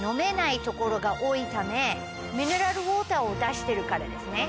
ミネラルウオーターを出してるからですね。